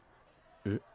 えっ？